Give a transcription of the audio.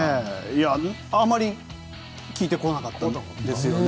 あまり聞いてこなかったんですね。